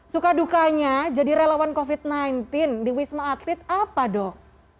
suka dukanya jadi relawan covid sembilan belas di wisma atlet apa dok